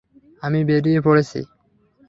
আমি বেরিয়ে পড়েছি।